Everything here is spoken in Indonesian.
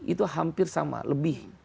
itu hampir sama lebih